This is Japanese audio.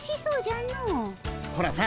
ほらさ